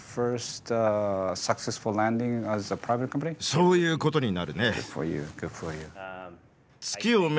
そういうことになるね。